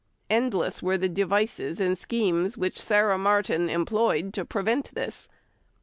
Endless were the devices and schemes which Sarah Martin employed to prevent this.